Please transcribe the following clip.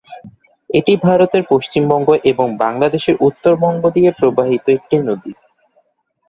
এটি ভারতের পশ্চিমবঙ্গ এবং বাংলাদেশের উত্তরবঙ্গ দিয়ে প্রবাহিত একটি নদী।